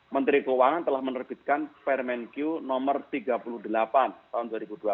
menteri keuangan telah menerbitkan permen q no tiga puluh delapan tahun dua ribu dua puluh